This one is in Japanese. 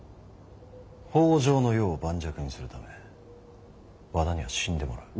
北条の世を盤石にするため和田には死んでもらう。